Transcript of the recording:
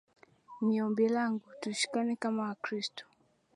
Ni ombi langu tushikane kama wakristo